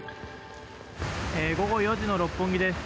午後４時の六本木です。